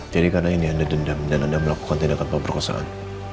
jadi karena ini anda dendam dan anda melakukan tindakan pemberkosaan